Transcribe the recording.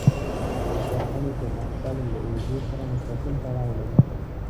د کرهڼې پرمختګ له اوبو سره مستقیم تړاو لري.